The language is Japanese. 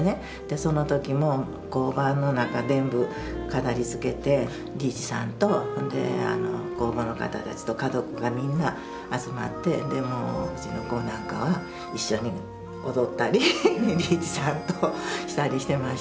その時も工房の中全部飾りつけてリーチさんと工房の方たちと家族がみんな集まってうちの子なんかは一緒に踊ったりリーチさんとしたりしてました。